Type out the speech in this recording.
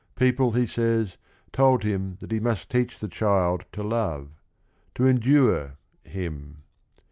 People, he says, told him that he must teach the child to love — to endure — him.